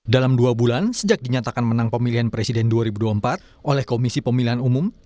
dalam dua bulan sejak dinyatakan menang pemilihan presiden dua ribu dua puluh empat oleh komisi pemilihan umum